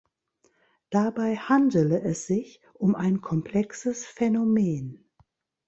Dabei handele es sich um ein komplexes Phänomen.